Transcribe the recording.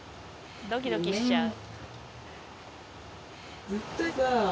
ドキドキしちゃう。